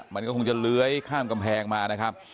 มันก็คงจะเลื้อยข้ามกำแพงมานะครับ